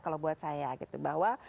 kalau buat saya gitu bahwa